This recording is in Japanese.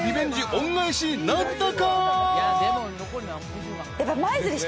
恩返しなったか？］